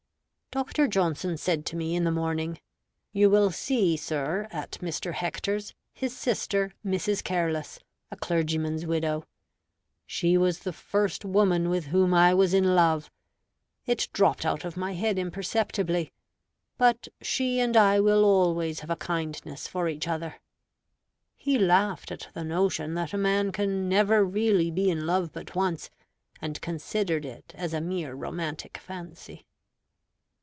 Dr. Johnson said to me in the morning, "You will see, sir, at Mr. Hector's, his sister Mrs. Careless, a clergyman's widow. She was the first woman with whom I was in love. It dropped out of my head imperceptibly; but she and I will always have a kindness for each other." He laughed at the notion that a man can never really be in love but once, and considered it as a mere romantic fancy.